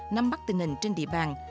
nắm bắt tình hình trên địa bàn